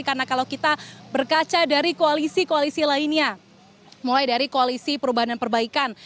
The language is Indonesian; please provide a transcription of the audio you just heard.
karena kalau kita berkaca dari koalisi koalisi lainnya mulai dari koalisi perubahan dan perbaikan